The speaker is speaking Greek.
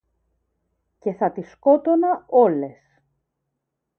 Και θα τις σκότωνα όλες.